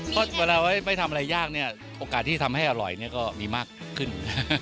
เพราะเวลาไม่ทำอะไรยากเนี่ยโอกาสที่ทำให้อร่อยก็มีมากขึ้น